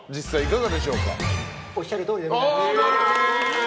おっしゃるとおりでございます。